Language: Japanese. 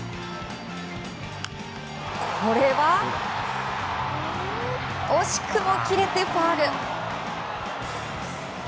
これは惜しくも切れてファウル。